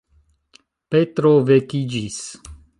Petro vekiĝis.